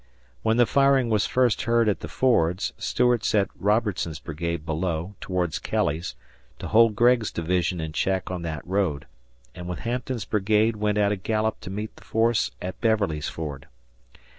When the firing was first heard at the fords, Stuart sent Robertson's brigade below, towards Kelly's, to hold Gregg's division in check on that road, and with Hampton's brigade went at a gallop to meet the force at Beverly's ford.